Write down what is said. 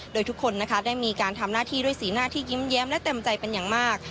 โดยทุกคนนะคะได้มีการทำหน้าที่ด้วยสีหน้าที่ยิ้มแย้มและเต็มใจเป็นอย่างมาก